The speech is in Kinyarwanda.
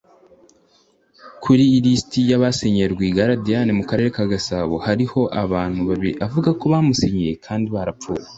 Ku ilisiti y’abasinyiye Rwigara Diane mu Karere ka Gasabo hariho abantu babiri avuga ko bamusinyiye kandi barapfuye